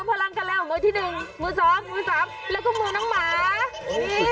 พักคืบคืนสนุกสนานเลยค่ะบ้านนี้